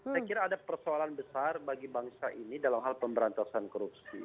saya kira ada persoalan besar bagi bangsa ini dalam hal pemberantasan korupsi